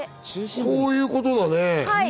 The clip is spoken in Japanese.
こういうことだよね。